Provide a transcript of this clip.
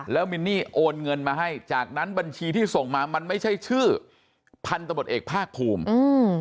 แล้วมินนี่โอนเงินมาให้จากนั้นบัญชีที่ส่งมามันไม่ใช่ชื่อพันธบทเอกภาคภูมิอืม